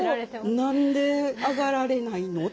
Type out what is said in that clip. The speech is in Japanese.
結構何で上がられないのって。